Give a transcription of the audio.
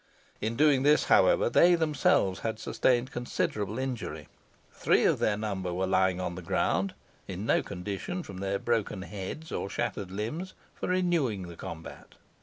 In doing this, however, they themselves had sustained considerable injury. Three of their number were lying on the ground, in no condition, from their broken heads, or shattered limbs, for renewing the combat.